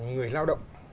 chỉ là người lao động